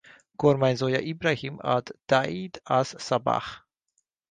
Kormányzója Ibráhím ad-Daídzs asz-Szabáh.